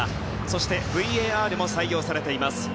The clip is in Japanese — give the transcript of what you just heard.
そしてＶＡＲも採用されています。